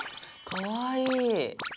かわいい。